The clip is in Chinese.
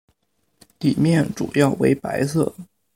底面主要为白色。